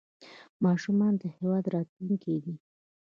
ماشومان د هېواد راتلونکی دی